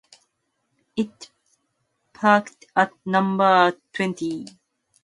It peaked at number twenty in Belgium in both Flanders and Wallonia.